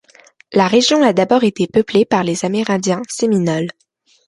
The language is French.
La région a d’abord été peuplée par les Amérindiens Séminoles.